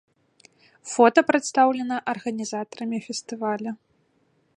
Фота прадастаўлена арганізатарамі фестываля.